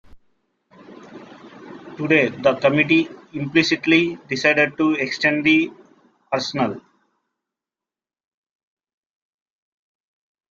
Today the committee implicitly decided to extend the arsenal.